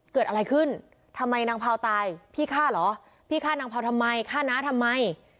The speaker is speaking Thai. เกิดอะไรขึ้นทำไมนางเผาตายพี่ฆ่าเหรอพี่ฆ่านางเผาทำไมฆ่าน้าทำไม